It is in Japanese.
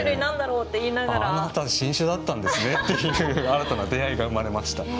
「あなた新種だったんですね」っていう新たな出会いが生まれました。